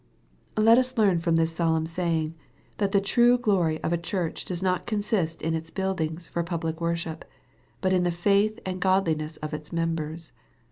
Let us learn from this solemn saying, that the true glory of a Church does not consist in its buildings for public wor ship, but in the faith and godliness of its members.